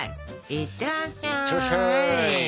いってらしゃい。